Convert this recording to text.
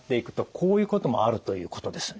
こういうこともあるということですね。